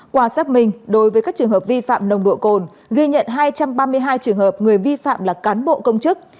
qua xác minh đối với các trường hợp vi phạm nồng độ cồn ghi nhận hai trăm ba mươi hai trường hợp người vi phạm là cán bộ công chức